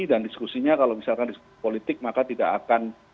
dan diskusinya kalau misalkan di politik maka tidak akan